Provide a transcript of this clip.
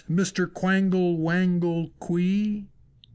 Mr. Quangle Wangle Quee!"